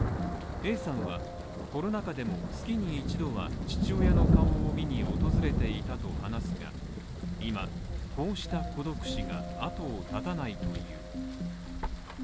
Ａさんはコロナ禍でも、月に一度は父親の顔を見に訪れていたと話すが、今、こうした孤独死が後を絶たないという。